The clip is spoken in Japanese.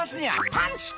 「パンチ！